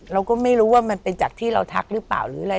เราก็ไม่รู้ว่ามันเป็นจากที่เราทักหรือเปล่าหรืออะไร